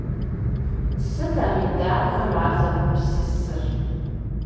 Сыт а меданхэм ар зэгупсысыр?